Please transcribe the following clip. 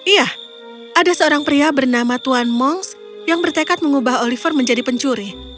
iya ada seorang pria bernama tuan mons yang bertekad mengubah oliver menjadi pencuri